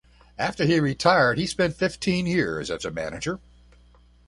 After he retired, he spent fifteen years as a manager.